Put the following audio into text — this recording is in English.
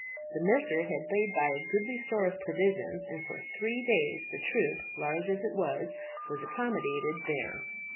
The mercer had laid by a goodly store of provisions, and for three days the troop, large as it was, was accommodated there.